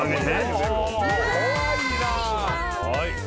すごい。